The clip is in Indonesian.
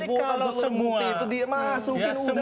jadi kalau semua lembaga penyelenggara pemilu semua peserta pemilu